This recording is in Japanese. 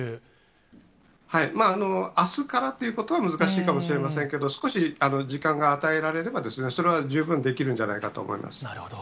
あすからということは、難しいかもしれませんけれども、少し時間が与えられれば、それは十分できるんじゃないかと思いまなるほど。